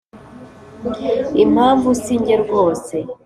Impamvu si jye rwose